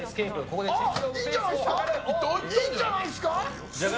いいんじゃないですか？